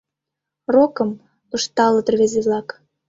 — Рокым, — ышталыт рвезе-влак.